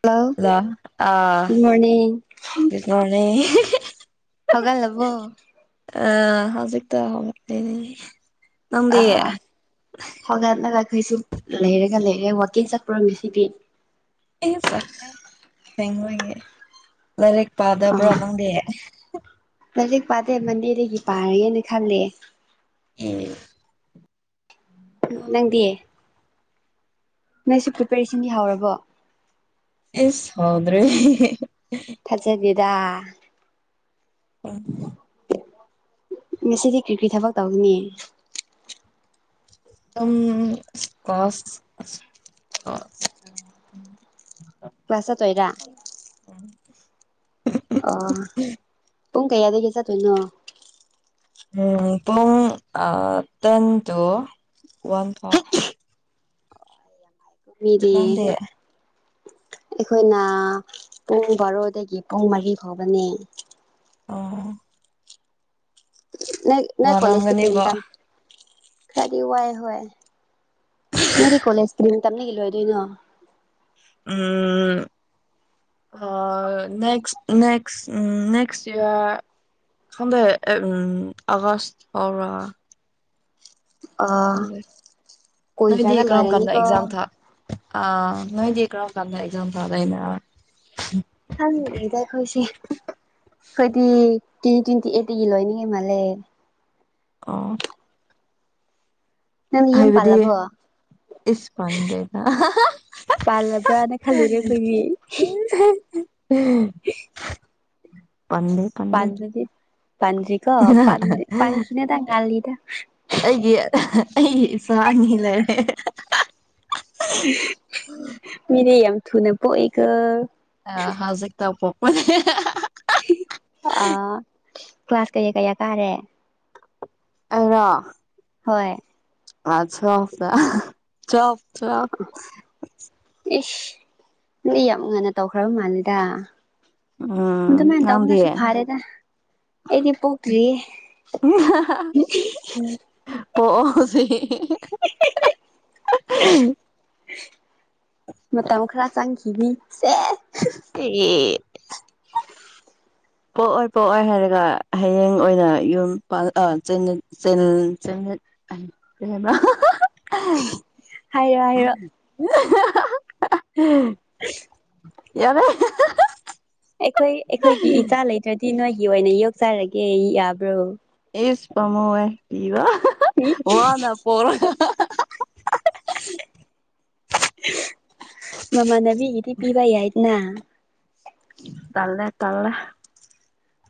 hello hello ꯑꯥ good morning good morning ꯍꯦꯒꯠꯂꯕꯣ ꯑ ꯍꯧꯖꯤꯛꯛꯇ ꯍꯧꯒꯠꯂꯦ ꯑ꯭ ꯅꯪꯗꯤ ꯍꯧꯣꯒꯠꯂꯒ ꯑꯩꯈꯣꯏꯁꯨ ꯂꯩꯔꯒ ꯂꯩꯔꯦ ꯋꯥꯛꯀꯤꯡ ꯆꯠꯄ꯭ꯔꯣ ꯉꯁꯤꯗꯤ ꯑꯦ ꯆꯠꯇꯦ ꯊꯦꯡꯕꯒꯤ ꯂꯥꯏꯔꯤꯛ ꯄꯥꯗꯕ꯭ꯔꯣ ꯅꯪꯗꯤ ꯂꯥꯢꯔꯤꯛ ꯄꯥꯗꯦ ꯃꯟꯗꯦꯗꯒꯤ ꯄꯥꯔꯒꯦꯅ ꯈꯜꯂꯦ ꯑꯦ ꯅꯪꯗꯤ ꯅꯪꯁꯨ ꯄ꯭ꯔꯤꯄꯦꯔꯦꯁꯟꯒꯤ ꯌꯥꯎꯔꯕꯣ ꯑꯦꯁ ꯍꯥꯎꯗ꯭ꯔꯤ ꯊꯖꯗꯦꯗ [inaudible] ꯉꯁꯤꯗꯤ ꯀ꯭ꯔꯤ ꯀ꯭ꯔꯤ ꯊꯕꯛ ꯇꯧꯒꯅꯤ [unintelligible] ꯀ꯭ꯂꯥꯁ ꯀ꯭ꯂꯥꯁ ꯆꯠꯇꯣꯏꯔ ꯑꯣ ꯄꯨꯡ ꯀꯌꯥꯗꯒꯤ ꯆꯠꯇꯣꯏꯅꯣ ꯄꯨꯡ ꯇꯦꯟ ꯇꯨ ꯋꯥꯟ ꯐꯥꯎ ꯃꯤꯗꯤ ꯅꯪꯗꯤ ꯑꯩꯈꯣꯏꯅ ꯄꯨꯡ ꯕꯥꯔꯣꯗꯒꯤ ꯄꯨꯡ ꯃꯔꯤ ꯐꯥꯎꯕꯅꯦ ꯑꯣ ꯅꫭꯏ ꯅꫭꯏ ꯀꯣꯂꯦꯖꯇꯤ ꯀꯔꯤ ꯋꯥꯔꯝꯒꯅꯦꯕ ꯃꯇꯝ ꯈꯔꯗꯤ ꯋꯥꯏ ꯍꯣꯏ ꯅꫭꯏꯗꯤ ꯀꯣꯂꯦꯖ ꯀꯔꯤ ꯃꯇꯝꯗꯒꯤ ꯂꯣꯏꯗꯣꯏꯅꯣ ꯎꯝ ꯑ ꯅꯦꯛꯁ ꯅꯦꯛꯁ ꯎꯝ ꯅꯦꯛꯦꯛꯁ ꯏꯔ ꯈꯟꯗꯦ ꯎꯝ ꯑꯒꯁ ꯐꯥꯎꯔ ꯑ ꯅꫭꯏꯗꯤ ꯀꯨꯏꯗ꯭ꯔꯒ ꯀꯔꯝ ꯀꯟꯗ ꯂꯣꯏꯔꯅꯤꯀꯣ ꯑꯦꯛꯖꯥꯝ ꯊꯥ ꯑ ꯅꯣꯏꯗꯤ ꯀꯔꯝ ꯀꯥꯟꯗ ꯑꯦꯛꯖꯥꯝ ꯊꯥꯗꫭꯏꯅꫭ ꯈꯪꯗ꯭ꯔꯤꯗ ꯑꯩꯈꯣꯏꯁꯤ ꯑꯩꯈꯣꯏꯗꯤ [unintelligible] ꯑꯩꯠꯇꯤꯒꯤ ꯂꯣꯏꯅꯤꯉꯩ ꯃꯥꯜꯂꯦ ꯑꯣ ꯅꯪꯗꯤ ꯌꯨꯝ ꯍꯥꯏꯕꯗꯤ ꯄꯜꯂꯕꯣ ꯏꯁ ꯄꯟꯗ꯭ꯔꯦꯗ ꯄꯜꯕ꯭ꯔꯅ ꯈꯜꯂꯨꯔꯦ ꯑꯈꯣꯏꯗꯤ ꯄꯥꯟꯗꯦ ꯄꯥꯟꯗ꯭ꯔꯗꯤ ꯄꯥꯟꯗ꯭ꯔꯤꯀꯣ ꯄꯥꯟꯗꯤ ꯄꯥꯥꯟꯈꯤꯅꯨꯗ ꯉꯜꯂꯤꯗ ꯑꯩꯒꯤ ꯑꯩꯒꯤ ꯏꯆꯥ ꯑꯅꯤ ꯂꯩꯔꯦ ꯃꯤꯗꯤ ꯌꯥꯝ ꯊꯨꯅ ꯄꯣꯛꯏꯀꫭ ꯑ ꯍꯖꯤꯛ ꯇ ꯎꫭꯛꯄꯅꯤ ꯑ ꯀ꯭ꯂꯥꯁ ꯀꯌꯥ ꯀꯌꯥ ꯀꯥꯔꯦ ꯑꯩꯔꫭ ꯍꯣꯏ ꯀ꯭ꯂꯥꯁ ꯇ꯭ꯋꯦꯂ꯭ꯞ ꯇ ꯇ꯭ꯋꯦꯂ꯭ꯞ ꯇ꯭ꯋꯦꯂ꯭ꯞ ꯏꯁ ꯃꯤ ꯌꯥꯝ ꯉꯟꯅ ꯇꯧꯈ꯭ꯔꯕ ꯃꯥꯜꯂꯦꯗ ꯎꯝ ꯃꯗꯨꯃꯥꯏꯅ ꯅꯪꯗꯤ ꯇꯧꯕꯅꯁꯨ ꯐꯥꯔꯦꯗ ꯑꯦꯗꯤ ꯄꫭꯛꯇ꯭ꯔꯤ [unintelligible] ꯃꯇꯝ ꯈꯔ ꯆꯪꯈꯤꯅꯤ ꯁꯦ [unintelligible] ꯄꯣꯛꯑꯣꯏ ꯄꯣꯛꯑꯣꯏ ꯍꯥꯏꯔꯒ ꯍꯌꯦꯡ ꯑꯣꯏꯅ ꯌꯨꯝ [unintelligible] ꯀꯔꯤ ꯍꯥꯏꯕ ꯍꯥꯏꯔꯣ ꯍꯥꯏꯔꯣ [unintelligible] ꯌꯥꯔꯦ ꯑꯩꯈꯣꯏ ꯑꯩꯈꯣꯏꯒꯤ ꯏꯆꯥ ꯂꯩꯇ꯭ꯔꯗꯤ ꯅꯣꯏꯒꯤ ꯑꯣꯏꯅ ꯌꯣꯛꯆꯔꯒꯦ ꯌꯥꯕ꯭ꯔꯣ ꯏꯁ ꯄꯥꯃꯨꯋꯦ ꯄꯤꯕ ꯋꯥꯅ ꯄꫭꯛꯔꯒ ꯅꯥꯃꯥꯟꯅꯥꯕꯤꯒꯤꯗꯤ ꯄꯤꯕꯥ ꯌꯥꯏꯗꯥꯅ ꯇꯜꯂꯦ ꯇꯜꯂꯦ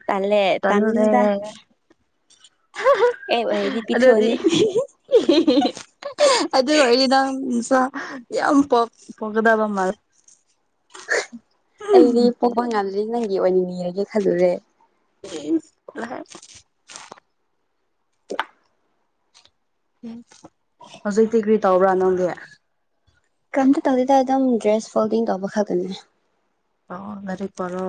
ꯇꯜꯂꯦ ꯇꯜꯂꯦ ꯇꯟꯒꯥꯅꯨꯗꯥ ꯑꯣꯏꯔꯗꯤ ꯑꯗꯨꯗꯤ ꯄꯤꯊꯣꯛꯑꯅꯤ ꯑꯗꯨ ꯑꯣꯏꯗꯤ ꯗꯝꯆꯥ ꯌꯥꯝ ꯄꯥꯝꯒꯥꯗꯕꯥ ꯃꯥꯜꯂꯦ ꯑꯩꯗꯤ ꯄꯣꯛꯄ ꯉꯝꯗ꯭ꯔꯤ ꯅꯪꯒꯤ ꯑꯣꯏꯅ ꯌꯦꯡꯒꯦ ꯈꯜꯂꯨꯔꯦ [unintelligible] ꯍꯧꯖꯤꯛꯇꯤ ꯀ꯭ꯔꯤ ꯇꯧꯕ꯭ꯔꯥ ꯅꯪꯗꯤ ꯀꯩꯝꯇꯥ ꯇꯧꯗꯦꯗꯥ ꯑꯗꯨꯝ ꯗ꯭ꯔꯦꯁ ꯐꯣꯜꯗꯤꯡ ꯇꯧꯕ ꯈꯛꯇꯥꯅꯦ ꯄꯥꯎꯑꯣ ꯂꯥꯏꯔꯤꯛ ꯄꯥꯔꯣ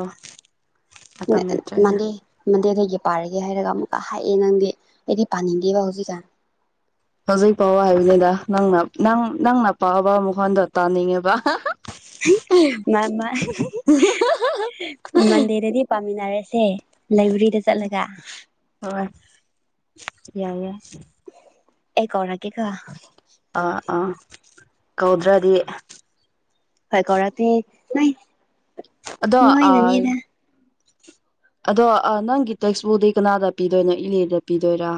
ꯃꯇꯝ ꯂꯩꯇ꯭ꯔꯦ ꯅꯪꯗꯤ ꯃꯟꯗꯦꯗꯥꯒꯤ ꯄꯥꯔꯒꯦ ꯍꯥꯏꯔꯒ ꯑꯃꯨꯛꯀꯥ ꯍꯥꯏꯑꯦ ꯅꯪꯗꯤ ꯑꯩꯗꯤ ꯄꯥꯅꯤꯡꯗꯦꯕꯥ ꯍꯧꯖꯤꯛꯀꯥꯟ ꯍꯧꯖꯤꯛ ꯄꯥꯎ ꯍꯥꯏꯕꯅꯤꯗ ꯅꯪꯅ ꯅꯪ ꯅꯪꯅ ꯄꯥꯕ ꯃꯈꯣꯟꯗꯣ ꯇꯥꯅꯤꯡꯉꯦꯕ ꯃꯟꯗꯦꯗꯤ ꯄꯥꯃꯤꯟꯅꯔꯁꯦ ꯂꯥꯏꯕ꯭ꯔꯦꯔꯤꯗ ꯆꯠꯂꯥꯒꯥ ꯍꯣꯏ ꯌꯥꯏꯌꯦ ꯑꯩ ꯀꯧꯔꯛꯀꯦ ꯀꯣ ꯑꯥ ꯑꯥ ꯀꯧꯗ꯭ꯔꯥꯗꯤ [unintelligible] ꯑꯗꯣ ꯑꯥ ꯅꯣꯏꯅꯅꯦꯗ ꯑꯗꯣ ꯅꯪꯒꯤ ꯇꯦꯛꯁꯕꯨꯛꯇꯤ ꯀꯅꯥꯗꯥ ꯄꯤꯗꯣꯏꯅꯣ ꯏꯅꯦꯗꯥ ꯄꯤꯗꯣꯏꯔꯥ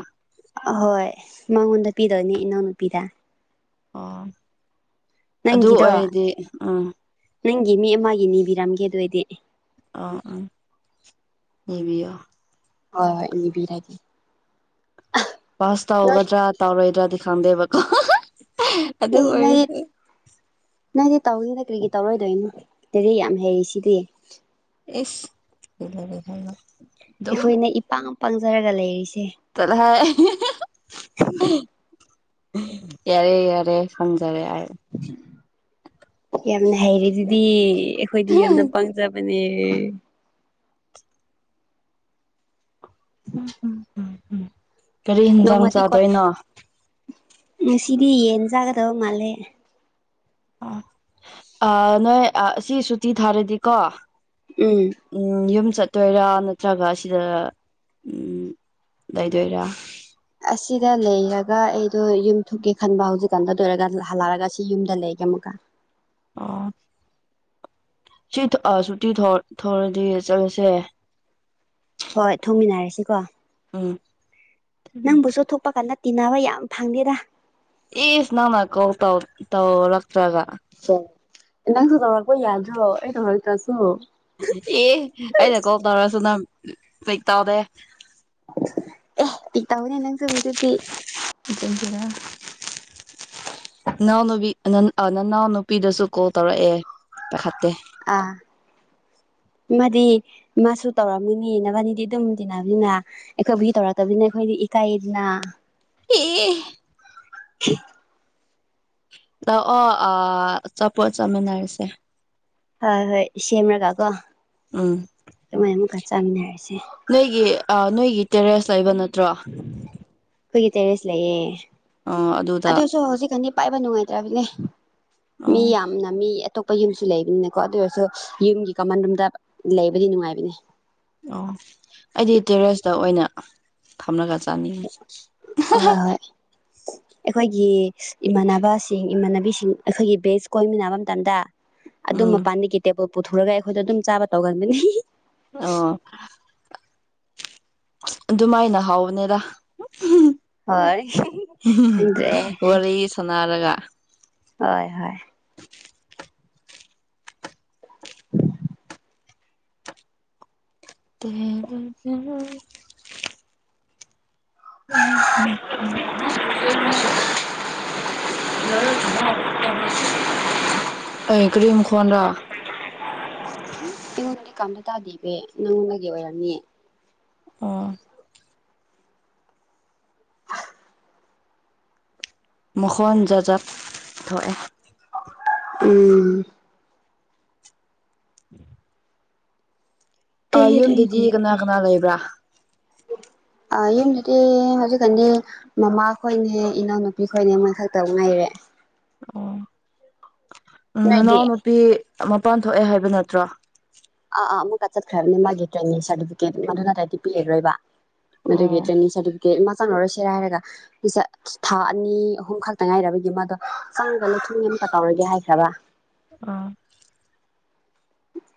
ꯑꯍꯣꯏ ꯃꯉꯣꯟꯗꯥ ꯄꯤꯗꯣꯏꯅꯦ ꯏꯅꯥꯎꯅꯨꯄꯤꯗꯥ ꯑꯣ ꯅꯪꯒꯤꯗꯣ ꯎꯝ ꯅꯪꯒꯤ ꯃꯤ ꯑꯃꯥꯒꯤ ꯅꯤꯕꯤꯔꯝꯒꯦ ꯑꯗꯨ ꯑꯣꯏꯗꯤ ꯑꯥ ꯑꯥ ꯅꯤꯕꯤꯌꯣ ꯍꯣꯏ ꯍꯣꯏ ꯅꯤꯕꯤꯔꯒꯦ ꯄꯥꯁ ꯅꯣꯏ ꯑꯦ ꯇꯧꯒꯗ꯭ꯔꯥ ꯇꯧꯔꯣꯏꯗ꯭ꯔꯥꯗꯤ ꯈꯪꯗꯦꯕꯥꯀꯣ [unintelligible] ꯅꯪꯗꯤ ꯇꯧꯅꯤꯗꯥ ꯀꯔꯤꯒꯤ ꯇꯧꯔꯣꯏꯗꯣꯏꯅꯣ ꯂꯥꯏꯔꯤꯛ ꯌꯥꯝ ꯍꯩꯔꯤ ꯁꯤꯗꯤ [unintelligible] ꯑꯩꯈꯣꯏꯅ ꯏꯄꯥꯡ ꯄꯪꯖꯥꯔꯒ ꯂꯩꯔꯤꯁꯦ ꯇꯠꯂꯥꯍꯦ ꯌꯥꯔꯦ ꯌꯥꯔꯦ ꯈꯪꯖꯥꯔꯦ ꯌꯥꯝꯅ ꯍꯩꯔꯤꯗꯨꯗꯤ ꯑꯩꯈꯣꯏꯗꯤ ꯌꯥꯝꯅꯥ ꯄꯪ ꯖꯥ ꯕꯥꯅꯦ ꯎꯝ ꯎꯝ ꯎꯝ ꯎꯝ ꯅꯣꯡꯃꯥꯗꯤ ꯀꯣ ꯉꯁꯤꯗꯤ ꯌꯦꯟ ꯆꯥꯒꯥꯥꯗꯕ ꯃꯥꯜꯂꯦ ꯑꯣ ꯑꯥ ꯅꯣꯏ ꯑꯁꯤ ꯁꯨꯇꯤ ꯊꯥꯔꯗꯤꯀꯣ ꯎꯝ ꯎꯝ ꯌꯨꯝ ꯆꯠꯇꯣꯏꯔꯥ ꯅꯠꯇ꯭ꯔꯒ ꯁꯤꯗ ꯎꯝ ꯂꯩꯗꯣꯏꯔꯥ ꯑꯁꯤꯗꯥ ꯂꯩꯔꯒꯥ ꯑꯩꯗꯣ ꯌꯨꯝ ꯊꯣꯛꯀꯦ ꯈꯟꯕꯥ ꯍꯧꯖꯤꯛꯀꯥꯟꯗꯣ ꯑꯗꯨ ꯑꯣꯏꯔꯒꯥ ꯍꯜꯂꯛꯔꯥꯒꯥ ꯑꯁꯤ ꯌꯨꯝꯗ ꯂꯩꯒꯦ ꯑꯃꯨꯛꯀꯥ ꯑꯣ ꯁꯤ ꯁꯨꯇꯤ ꯊꯣꯛꯔꯥꯗꯤ ꯆꯠꯁꯦ ꯍꯣꯏ ꯊꯣꯛꯃꯤꯟꯅꯔꯥꯁꯤꯀꯣ ꯎꯝ ꯅꯪꯕꯨ ꯊꯣꯛ ꯄꯥ ꯀꯥꯟꯗ ꯇꯤꯟꯅꯕ ꯌꯥꯝ ꯐꯪꯗꯦꯗꯥ ꯏꯁ ꯅꯪꯅꯥ ꯀꯣꯜ ꯇꯧ ꯇꯧꯔꯛꯇꯔꯥꯒꯥ ꯅꯪꯁꯨ ꯇꯧꯔꯛꯄꯥ ꯌꯥꯗ꯭ꯔꯣ ꯑꯩ ꯇꯧꯔꯛꯇ꯭ꯔꯥꯁꯨ ꯑꯦ ꯑꯩꯅ ꯀꯣꯜ ꯇꯧꯔꯁꯨ ꯅꯪ [unintelligible] ꯇꯧꯗꯦ ꯑꯦ ꯄꯤꯛ ꯇꯧꯕꯥꯅꯦ ꯅꯪꯁꯨ ꯍꯨꯖꯤꯛꯇꯤ [unintelligible] ꯅꯥꯎꯅꯨꯕꯤ ꯅꯅꯥꯎ ꯑ ꯅꯅꯥꯎꯅꯨꯄꯤꯗꯁꯨ ꯀꯣꯜ ꯇꯧꯔꯛꯑꯦ ꯄꯥꯏꯈꯠꯇꯦ ꯑꯥ ꯃꯥꯗꯤ ꯃꯥꯁꯨ ꯇꯧꯔꯝꯃꯤꯅꯤ ꯅꯕꯥꯅꯤꯗꯤ ꯑꯗꯨꯝ ꯇꯤꯟꯅꯕꯅꯤꯅ ꯑꯩꯈꯣꯏꯕꯨꯗꯤ ꯇꯧꯔꯛꯇꯕꯅꯤꯅ ꯑꯩꯈꯣꯏꯗꯤ ꯏꯀꯥꯏꯌꯦꯗꯅ ꯑꯦ ꯑꯦ [unintelligible] ꯂꯥꯛꯑꯣ ꯑꯥ ꯑꯆꯥꯄꯣꯠ ꯆꯥꯃꯤꯟꯅꯔꯁꯦ ꯍꯣꯏ ꯍꯣꯏ ꯁꯦꯝꯂꯒ ꯀꯣ ꯎꯝ ꯑꯗꯨꯃꯥꯏꯅ ꯑꯃꯨꯛꯀ ꯆꯥꯃꯤꯟꯅꯔꯁꯦ ꯅꯣꯏꯒꯤ ꯑ ꯅꯣꯏꯒꯤ ꯇꯦꯔꯦꯁ ꯂꯩꯕ ꯅꯠꯇ꯭ꯔꯣ ꯑꯩꯈꯣꯏꯒꯤ ꯇꯦꯔꯦꯁ ꯂꯩꯌꯦ ꯑꯥ ꯑꯗꯨꯗ ꯑꯗꯨꯁꯨ ꯍꯧꯖꯤꯛ ꯀꯥꯟꯗꯤ ꯄꯥꯏꯕ ꯅꯨꯡꯉꯥꯏꯇ꯭ꯔꯕꯅꯦ ꯃꯤ ꯑꯣ ꯌꯥꯝꯅ ꯃꯤ [unintelligible] ꯑꯇꯣꯞꯄ ꯌꯨꯝꯁꯨ ꯂꯩꯕꯅꯤꯅꯀꯣ ꯑꯗꯨ ꯑꯣꯏꯔꯁꯨ ꯌꯨꯝꯒꯤ ꯀꯃꯟ ꯔꯨꯝꯗ ꯂꯩꯕꯗꯤ ꯅꯨꯡꯉꯥꯏꯕꯅꯦ ꯑꯣ ꯑꯩꯗꯤ ꯇꯦꯔꯦꯁꯇ ꯑꯣꯏꯅ ꯐꯝꯂꯒ ꯆꯥꯃꯤꯟ ꯍꯣꯏ ꯍꯣꯏ ꯑꯩꯈꯣꯏꯒꯤ ꯏꯃꯥꯟꯅꯕꯁꯤꯡ ꯏꯃꯥꯟꯅꯕꯤꯁꯤꯡ ꯑꯩꯈꯣꯏꯒꯤ ꯕꯦꯁ ꯀꯣꯏꯃꯤꯟꯅꯕ ꯃꯇꯝꯗ ꯑꯗꯨꯝ ꯎꯝ ꯃꯄꯥꯟꯗꯒꯤ ꯇꯦꯕꯜ ꯄꯨꯊꯨꯔꯒ ꯑꯩꯈꯣꯏꯗ ꯑꯗꯨꯝ ꯆꯥꯕ ꯇꯧꯒꯟꯕꯅꯤ ꯑꯣ ꯑꯗꯨꯃꯥꯏꯅ ꯍꯥꯎꯕꯅꯤꯗ ꯍꯨꯝ ꯍꯣꯏ ꯍꯨꯝ ꯍꯨꯝ ꯈꯪꯗ꯭ꯔꯦ ꯋꯥꯔꯤ ꯁꯥꯟꯅꯔꯒ ꯍꯣꯏ ꯍꯣꯏ ꯇꯦꯔꯦ ꯇꯦ [unintelligible] [unintelligible] ꯑꯦ ꯀ꯭ꯔꯤ ꯃꯈꯣꯟꯔꯥ ꯏꯉꯣꯟꯗꯗꯤ ꯀꯩꯝꯇ ꯇꯥꯗꯦꯍꯦ ꯅꯪꯉꯣꯟꯗꯒꯤ ꯑꯣꯏꯔꯝꯅꯤ ꯑꯣ ꯃꯈꯣꯟ ꯖꯥꯠ ꯖꯥꯠ ꯊꯣꯛꯑꯦ ꯎꯝ [inaudible] ꯑ ꯌꯨꯝꯗꯗꯤ ꯀꯅꯥ ꯀꯅꯥ ꯂꯩꯕ꯭ꯔꯥ ꯑ ꯌꯨꯝꯗꯗꯤ ꯍꯧꯖꯤꯛꯀꯥꯟꯗꯤ ꯃꯃꯥ ꯈꯣꯏꯅꯦ ꯏꯅꯥꯎꯅꯨꯄꯤ ꯈꯣꯏꯅꯦ ꯃꯣꯏ ꯈꯛꯇꯕꯨ ꯉꯥꯏꯔꯦ ꯑꯣ ꯎꯝ ꯅꯣꯏꯗꯤ ꯅꯅꯥꯎꯅꯄꯤ ꯃꯄꯥꯟ ꯊꯣꯛꯑꯦ ꯍꯥꯏꯕ ꯅꯠꯇ꯭ꯔꯣ ꯑꯥ ꯑꯥ ꯑꯃꯨꯛꯀ ꯆꯠꯈ꯭ꯔꯕꯅꯤ ꯃꯥꯒꯤ ꯇ꯭ꯔꯦꯅꯤꯡ ꯁꯥꯔꯇꯤꯐꯤꯀꯦꯠ ꯃꯗꯨ ꯅꯠꯇ꯭ꯔꯗꯤ ꯄꯤꯔꯔꯣꯏꯕ ꯑꯗꯨꯒꯤ ꯑꯣ ꯇ꯭ꯔꯦꯅꯤꯡ ꯁꯥꯔꯇꯤꯐꯤꯀꯦꯠ ꯃꯥ ꯆꯪꯉꯔꯣꯏꯁꯤꯔ ꯍꯥꯏꯔꯒ [unintelligible] ꯊꯥ ꯑꯅꯤ ꯑꯍꯨꯝ ꯈꯛꯇ ꯉꯥꯏꯔꯕꯒꯤ ꯃꯥꯗꯣ ꯆꯪꯕ [unintelligible] ꯑꯃꯨꯛꯀꯥ ꯇꯧꯔꯒꯦ ꯍꯥꯏꯈ꯭ꯔꯕ ꯑꯥ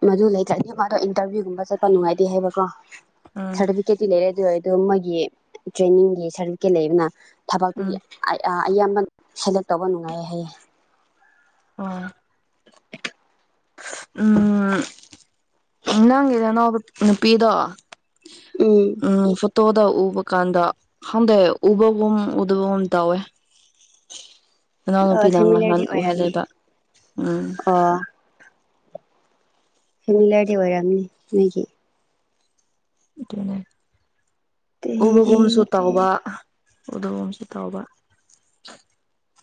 ꯃꯗꯨ ꯂꯩꯇꯔꯥꯗꯤ ꯃꯥꯗꯣ ꯏꯟꯇꯔꯚꯤꯌꯨꯒꯨꯝꯕ ꯆꯠꯄ ꯅꯨꯡꯉꯥꯏꯇꯦ ꯍꯥꯏꯕꯀꯣ ꯎꯝ ꯁꯥꯔꯇꯤ ꯇꯤꯀꯦꯠꯇꯤ ꯂꯩꯔꯦ ꯑꯗꯨ ꯑꯗꯨ ꯃꯣꯏꯒꯤ ꯇ꯭ꯔꯦꯅꯤꯡꯒꯤ ꯁꯥꯔꯇꯤꯐꯤꯀꯦꯠ ꯂꯩꯗꯅ ꯊꯕꯛꯇꯤ ꯎꯝ ꯑꯌꯥꯝꯕꯅ ꯁꯦꯂꯦꯛ ꯇꯧꯕ ꯅꯨꯡꯉꯥꯏꯌꯦ ꯍꯥꯏꯌꯦ ꯑꯥ ꯎꯝ ꯎ ꯅꯪꯒꯤꯅꯅꯥꯎꯅꯨꯄꯤꯗꯣ ꯎꯝ ꯐꯨ ꯇꯣꯗ ꯎꯕ ꯀꯥꯟꯗ ꯈꯪꯗꯦ ꯎꯕꯒꯨꯝ ꯎꯗꯕꯒꯨꯝ ꯇꯧꯋꯦ ꯅꯅꯥꯎꯅꯨꯄꯤꯅ ꯅꯍꯥꯟ ꯐꯦꯃꯤꯂꯔꯗꯤ ꯑꯣꯏꯔꯝꯅꯤ ꯎꯍꯜꯂꯦꯕ ꯎꯝ ꯑꯣ ꯐꯦꯃꯤꯂꯔꯗꯤ ꯑꯣꯏꯔꯝꯅꯤ ꯃꯤꯒꯤ ꯑꯗꯨꯅꯦ ꯎꯕꯒꯨꯝꯁꯨ ꯇꯧꯕ ꯎꯗꯒꯨꯝꯨꯁꯨ ꯇꯧꯕ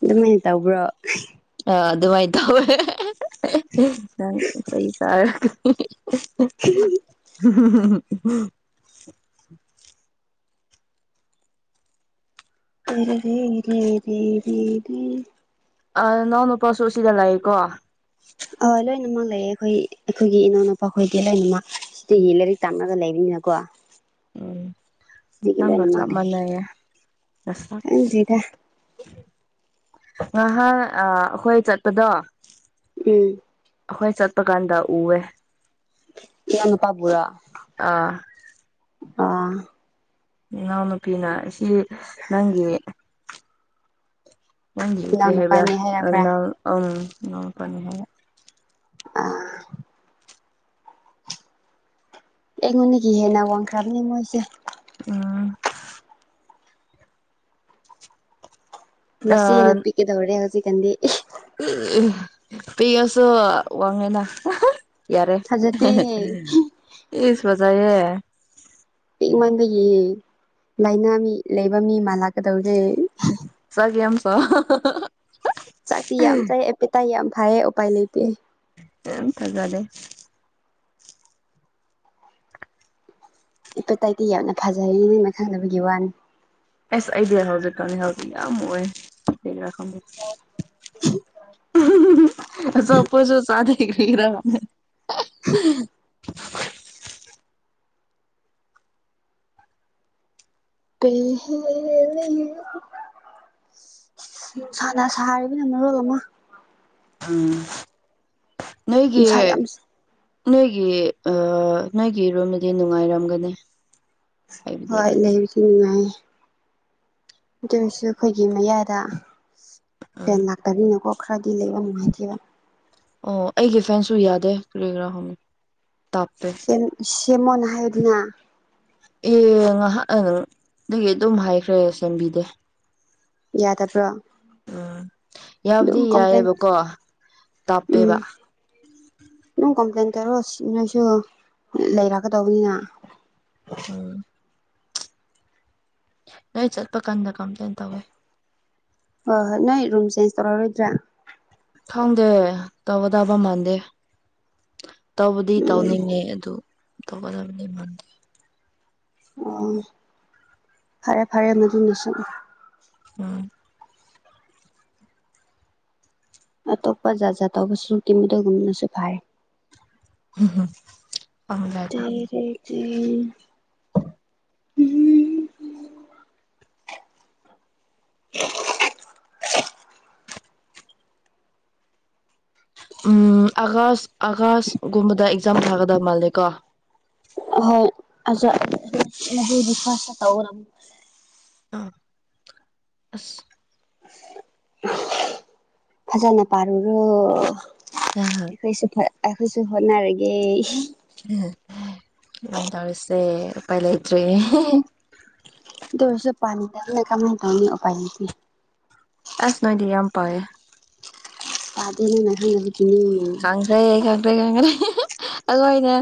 ꯑꯗꯨꯃꯥꯏꯅ ꯇꯧꯕ꯭ꯔꯣ ꯑꯥ ꯑꯗꯨꯃꯥꯏꯅ ꯇꯧꯋꯦ ꯅꯪ ꯀ ꯇꯥꯔꯒ [unintelligible] [unintelligible] ꯑ ꯅꯍꯧꯅ ꯄꯔꯁꯁꯨ ꯁꯤꯗ ꯂꯦꯀꯣ ꯑ ꯂꯣꯏꯅꯃꯛ ꯂꯩꯌꯦꯦ ꯑꯩꯈꯣꯏ ꯑꯩꯈꯣꯏꯒꯤ ꯏꯅꯥꯎꯅꯨꯄꯥ ꯈꯣꯏꯗꯤ ꯂꯣꯏꯅꯃꯛ ꯁꯤꯗꯒꯤ ꯂꯥꯏꯔꯤꯛ ꯇꯝꯅꯒ ꯂꯩꯕꯅꯤꯅꯀꯣ ꯎꯝ ꯁꯤꯗꯒꯤ ꯅꯪꯒ ꯂꯣꯏꯅꯃꯛ ꯆꯞ ꯂꯩꯌꯦ ꯃꯅꯦꯁ ꯈꯪꯗ꯭ꯔꯤꯗ ꯉꯍꯥꯛ ꯍꯈꯣꯏ ꯆꯠꯄꯗꯣ ꯎꯝ ꯑꯩꯈꯣꯏ ꯆꯠꯄ ꯀꯥꯟꯗ ꯎꯋꯦ ꯀꯅꯄꯥ ꯕꯔꯥ ꯑꯥ ꯑꯥ ꯏꯅꯥꯎ ꯅꯨꯨꯄꯤꯅ ꯁꯤ ꯅꯪꯒꯤ ꯅꯪ ꯐꯦ ꯍꯥꯏꯕ ꯏꯅꯥꯎꯅꯨꯄꯥꯅꯦ ꯍꯥꯏꯔꯛꯄ꯭ꯔꯥ ꯎꯝꯣꯡ ꯐꯅꯤ ꯍꯥꯏ ꯑ ꯑꯩꯉꯣꯟꯗꯒꯤ ꯍꯦꯟꯅ ꯋꯥꯡꯈ꯭ꯔꯕꯅꯤ ꯃꯣꯏꯁꯦ ꯎꯝ ꯃꯁꯤꯅ ꯄꯤꯛꯀꯗꯧꯔꯦ ꯍꯧꯖꯤꯛꯀꯥꯟꯗꯤ ꯄꯤꯉꯁꯨꯣ ꯋꯥꯡꯉꯦꯅ ꯌꯥꯔꯦ ꯐꯖꯗꯦ ꯏꯁ ꯃꯖꯥꯏꯦ ꯄꯛꯃꯗ ꯌꯦ ꯂꯥꯏꯅꯥ ꯃꯤ ꯂꯩꯕ ꯃꯤ ꯃꯥꯜꯂꯥꯛꯀꯗꯧꯔꯦ ꯆꯒꯤꯦꯦꯝ ꯁꯣ ꯆꯥꯛꯇꯤ ꯌꯥꯝ ꯆꯥꯏ ꯑꯦꯄꯦꯇꯥ ꯌꯥꯝ ꯐꯩꯌꯦ ꯎꯄꯥꯏ ꯂꯩꯕꯤꯑ ꯝ ꯊꯖꯗꯦ ꯏꯄꯠꯇ ꯑꯥꯏꯇꯤ ꯌꯥꯝꯅ ꯐꯖꯩꯦꯅ ꯑꯩꯅ ꯈꯪꯅꯕꯒꯤ ꯋꯥꯅꯤ ꯑꯦꯁ ꯑꯥꯏꯗꯤꯌꯥ ꯍꯧꯖꯤꯛꯀꯥꯟꯅꯤ ꯍꯧꯖꯤꯛ ꯌꯥꯝ ꯑꯣꯏꯥ ꯈꯪꯕꯤ ꯁꯣꯄꯨ ꯆ ꯆ ꯀꯔꯃꯦ ꯄ ꯂꯩ ꯁꯅꯥ ꯁꯍꯔꯤꯕ ꯅꯅꯔꯣꯜ ꯑꯃ ꯎꯝ ꯅꯣꯏꯒꯤ ꯅꯨꯡꯁꯥ ꯌꯥꯝ ꯅꯣꯏꯒꯤ ꯅꯣꯏꯒꯤ ꯏꯔꯣꯟꯗꯗꯤ ꯅꯨꯡꯉꯥꯏꯔꯝꯒꯅꯤ ꯍꯥꯏꯕꯗꯤ ꯍꯣꯏ ꯂꯩꯕꯁꯨ ꯅꯨꯡꯉꯥꯏ ꯑꯗꯨ ꯑꯣꯏꯔꯁꯨ ꯑꯩꯈꯣꯏꯒꯤ ꯃꯌꯥꯗ ꯎꯝ ꯐꯦꯟ ꯂꯥꯛꯇꯅꯤꯅꯀꯣ ꯈꯔꯗꯤ ꯂꯩꯕ ꯅꯨꯡꯉꯥꯏꯇꯦꯕ ꯑꯣ ꯑꯩꯒꯤ ꯐꯦꯟꯁꯨ ꯌꯥꯗꯦ ꯇꯨꯒ꯭ꯔꯥ ꯁꯦꯃꯣꯟ ꯍꯥꯏꯌꯗꯤꯅꯥ ꯑꯦ ꯉꯥꯏꯍꯥꯛꯅ ꯅꯪꯗꯒꯤ ꯑꯗꯨꯝ ꯍꯥꯏꯈ꯭ꯔꯦ ꯁꯦꯝꯕꯤꯗꯦ ꯌꯥꯗꯗꯕ꯭ꯔꯣ ꯎꯝ ꯌꯥꯕꯨꯗꯤ ꯌꯥꯏꯑꯕꯀꯣ ꯇꯥꯞꯄꯦꯕ ꯎꯝ ꯑꯗꯨꯝ ꯀꯝꯄ꯭ꯂꯦꯟ ꯇꯧꯔꯣ ꯅꯣꯏꯁꯨ ꯂꯩꯔꯛꯀꯗꯧꯕꯅꯤꯅ ꯎꯝ ꯅꯣꯏ ꯆꯠꯄ ꯀꯥꯟꯗ ꯀꯝꯄ꯭ꯂꯦꯟ ꯇꯧꯋꯦ ꯍꯣꯏ ꯍꯣꯏ ꯅꯣꯏ ꯔꯨꯝ ꯆꯦꯟꯖ ꯇꯧꯔꯛꯔꯣꯏꯗ꯭ꯔꯥ ꯎ ꯊꯗ ꯇꯕ ꯇꯕ ꯃꯥꯥꯟꯗꯦ ꯇꯧꯕꯗꯤ ꯎꯝ ꯇꯧꯅꯤꯡꯉꯦ ꯑꯗꯨ ꯇꯧꯒꯗꯕꯗꯤ ꯃꯗ ꯑꯣ ꯐꯔꯦ ꯐꯔꯦ ꯃꯗꯨ ꯂꯁꯤꯠ ꯎꯝ ꯑꯇꯣꯞꯄ ꯖꯥꯠ ꯖꯥꯠ ꯇꯧꯕꯁꯨ ꯁꯛꯇꯤꯃꯨꯗꯒꯨꯝꯅꯁꯨ ꯐꯥꯏꯔꯦ ꯎꯝꯝ ꯍ ꯇꯔ ꯎꯝ ꯑꯥꯒꯁ ꯑꯥꯒꯁꯒꯨꯝꯕꯗ ꯑꯦꯛꯖꯥꯝ ꯊꯥꯒꯗ ꯃꯥꯜꯂꯦ ꯀꯣ [inaudible] ꯑꯥ ꯑꯁ [unintelligible] ꯑꯩꯈꯣꯏꯁꯨ ꯑꯩꯈꯣꯏꯁꯨ ꯍꯣꯠꯅꯔꯒꯦ ꯎ ꯑꯗꯨꯃꯥꯏꯅ ꯇꯧꯔꯤꯁꯦ ꯎꯄꯥꯏ ꯂꯩꯇ꯭ꯔꯦ [unintelligible] ꯇꯁꯨ ꯄꯗ ꯀ ꯇ ꯎ ꯄꯥꯏ ꯅꯇ ꯑꯁ ꯅꯣꯏꯗꯤ ꯌꯥꯝ ꯄꯑꯦ ꯄꯥꯗꯅꯍꯥꯟꯅ ꯄꯅꯦ ꯈꯪꯈ꯭ꯔꯦ ꯈꯪꯗ꯭ꯔꯦ [unintelligible] ꯈꯪꯈ꯭ꯔꯦ ꯑꯗꯨꯅ